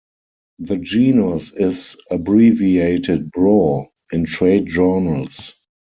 The genus is abbreviated Bro in trade journals.